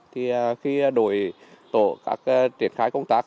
thì khi đổi tổ các triển khai công tác